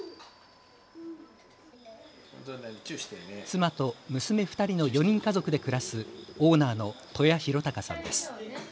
妻と娘２人の４人家族で暮らすオーナーの戸谷浩隆さんです。